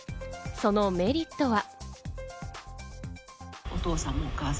そのメリットは。